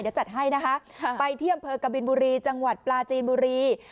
เดี๋ยวจัดให้นะคะไปที่อำเภอกบินบุรีจังหวัดปลาจีนบุรี